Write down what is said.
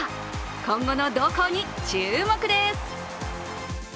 今後の動向に注目です。